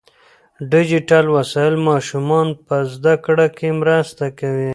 ډیجیټل وسایل ماشومان په زده کړه کې مرسته کوي.